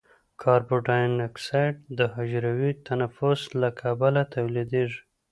کاربن ډای اکساید د حجروي تنفس له کبله تولیدیږي.